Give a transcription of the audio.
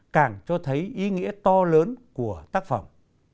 càng cho thấy ý nghĩa to lớn của tác phẩm